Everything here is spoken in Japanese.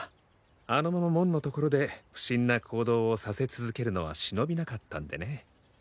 あのまま門の所で不審な行動をさせ続けるのは忍びなかったんでね。